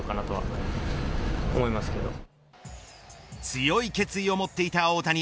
強い決意を持っていた大谷。